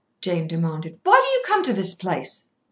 Jane demanded. "Why do you come to this place?"